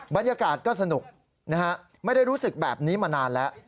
บรรยากาศก็สนุกนะฮะไม่ได้รู้สึกแบบนี้มานานแล้ว